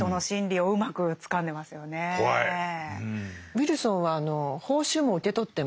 ウィルソンは報酬も受け取ってますし